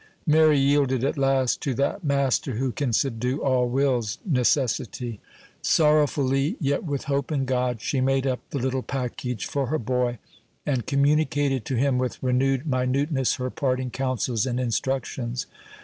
Mary yielded at last to that master who can subdue all wills necessity. Sorrowfully, yet with hope in God, she made up the little package for her boy, and communicated to him with renewed minuteness her parting counsels and instructions.